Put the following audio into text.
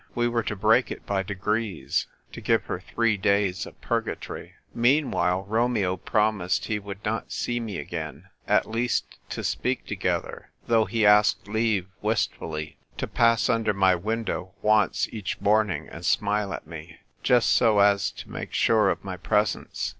We were to break it by degrees — to give her three days of purgatory. Mean while, Romeo promised he would not see me again, at least to speak together ; though he asked leave, wistfully, to pass under my window once each morning and smile at me, just so as to make sure oi my presence.